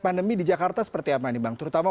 pandemi di jakarta seperti apa ini bang terutama